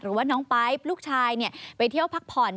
หรือว่าน้องไป๊บลูกชายไปเที่ยวพักผ่อน